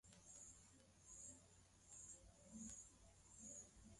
ndoa badala yake kujiunga na shirika la wenzake kama familia ya kiroho